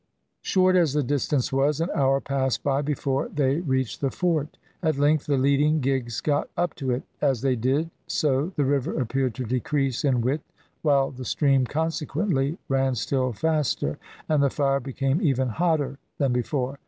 Short as the distance was, an hour passed by before they reached the fort. At length the leading gigs got up to it. As they did so the river appeared to decrease in width, while the stream, consequently, ran still faster, and the fire became even hotter than before.